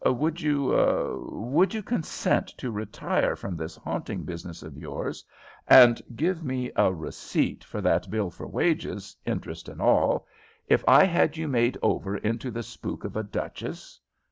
"Would you er would you consent to retire from this haunting business of yours, and give me a receipt for that bill for wages, interest and all, if I had you made over into the spook of a duchess?